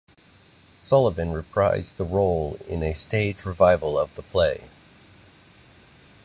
Sullivan reprised the role in a stage revival of the play.